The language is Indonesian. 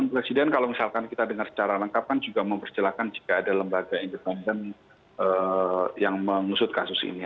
bahkan kita dengar secara lengkap kan juga mempercelaka jika ada lembaga independen yang mengusut kasus ini